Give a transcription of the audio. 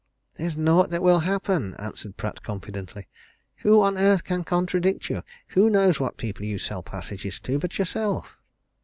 "There's naught that will happen," answered Pratt confidently. "Who on earth can contradict you? Who knows what people you sell passages to but yourself?"